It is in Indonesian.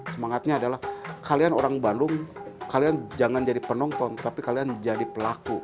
semangatnya adalah kalian orang bandung kalian jangan jadi penonton tapi kalian jadi pelaku